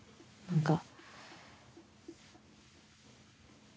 何か。